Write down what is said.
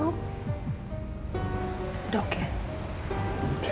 mungkin waktu hanya lebih lanjut kali ya